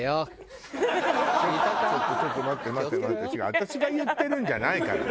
私が言ってるんじゃないからね。